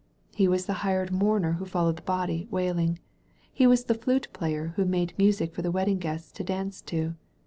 He was the hired mourner who fol lowed the body, wailing; he was the flute player who made music for the wedding guests to dance to.